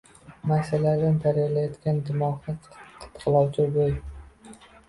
Maysalardan taralayotgan dimoqni qitiqlovchi bo‘y